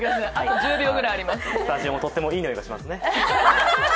スタジオもとってもいい匂いがしますね。